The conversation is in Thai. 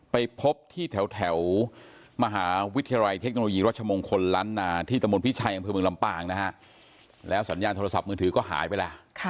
ไปพบที่แถวมหาวิทยาลัยเทคโนโลยีรัสชะมงคล